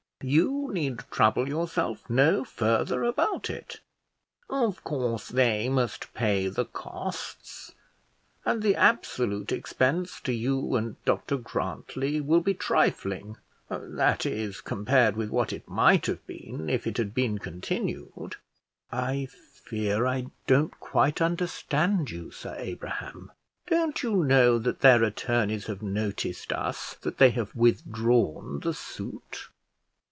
You need trouble yourself no further about it; of course they must pay the costs, and the absolute expense to you and Dr Grantly will be trifling, that is, compared with what it might have been if it had been continued." "I fear I don't quite understand you, Sir Abraham." "Don't you know that their attorneys have noticed us that they have withdrawn the suit?"